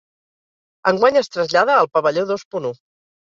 Enguany es trasllada al pavelló dos punt u.